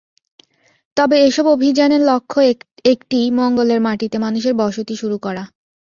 তবে এসব অভিযানের লক্ষ্য একটিই, মঙ্গলের মাটিতে মানুষের বসতি শুরু করা।